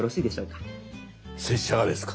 拙者がですか。